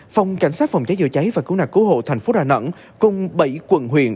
phòng cảnh sát phòng cháy chữa cháy và cứu nạn cứu hộ thành phố đà nẵng cùng bảy quận huyện